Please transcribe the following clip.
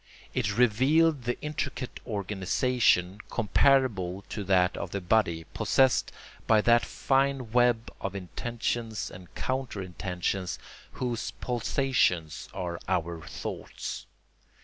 It revealed the intricate organisation, comparable to that of the body, possessed by that fine web of intentions and counter intentions whose pulsations are our thoughts.